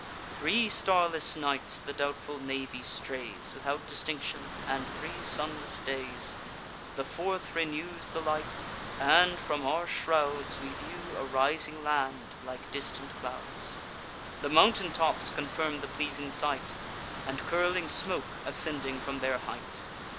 Three starless nights the doubtful navy strays, Without distinction, and three sunless days; The fourth renews the light, and, from our shrouds, We view a rising land, like distant clouds; The mountain tops confirm the pleasing sight, And curling smoke ascending from their height.